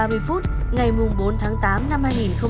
một mươi sáu h ba mươi phút ngày bốn tháng tám năm hai nghìn một mươi năm